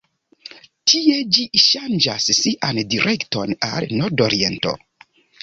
Tie ĝi ŝanĝas sian direkton al nordoriento.